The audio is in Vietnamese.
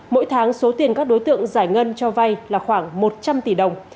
mỗi tháng số tiền các đối tượng giải ngân cho vay là khoảng một trăm linh tỷ đồng